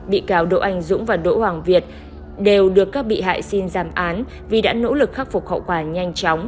bị cáo đỗ anh dũng và đỗ hoàng việt đều được các bị hại xin giảm án vì đã nỗ lực khắc phục hậu quả nhanh chóng